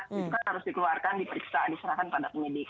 itu kan harus dikeluarkan diperiksa diserahkan pada penyidik